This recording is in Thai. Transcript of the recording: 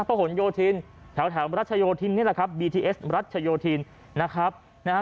หนโยธินแถวรัชโยธินนี่แหละครับบีทีเอสรัชโยธินนะครับนะฮะ